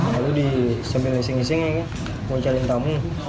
lalu disambil nising nising mau cari tamu